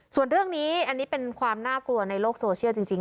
ส่วนเรื่องนี้อันนี้เป็นความน่ากลัวในโลกโซเชียลจริง